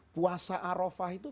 puasa arofah itu